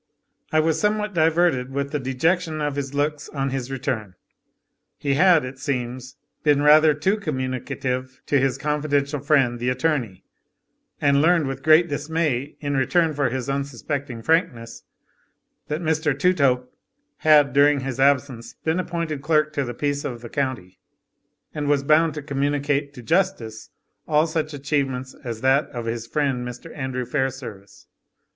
I was somewhat diverted with the dejection of his looks on his return. He had, it seems, been rather too communicative to his confidential friend, the attorney; and learned with great dismay, in return for his unsuspecting frankness, that Mr. Touthope had, during his absence, been appointed clerk to the peace of the county, and was bound to communicate to justice all such achievements as that of his friend Mr. Andrew Fairservice.